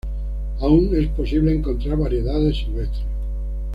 Aún es posible encontrar variedades silvestres.